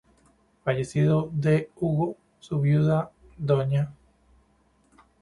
Fallecido D. Hugo, su viuda, Dña.